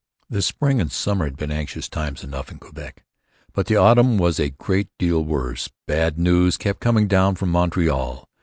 The spring and summer had been anxious times enough in Quebec. But the autumn was a great deal worse. Bad news kept coming down from Montreal.